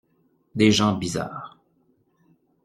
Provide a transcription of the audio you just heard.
Des gens bizarres.